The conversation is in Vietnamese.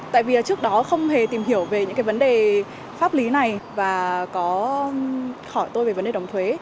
tại vì trước đó không hề tìm hiểu về những vấn đề pháp lý này và có hỏi tôi về vấn đề đóng thuế